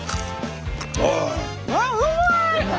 あうまい！